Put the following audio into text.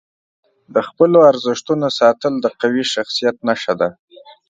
د خپلو ارزښتونو ساتل د قوي شخصیت نښه ده.